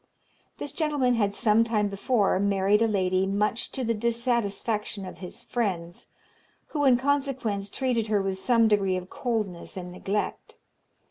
This gentleman had some time before married a lady much to the dissatisfaction of his friends, who, in consequence, treated her with some degree of coldness and neglect.